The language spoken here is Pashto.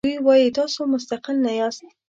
دوی وایي تاسو مستقل نه یاست.